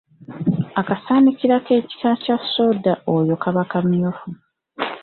Akasaaanikira k’ekika kya soda oyo kaba kamyufu.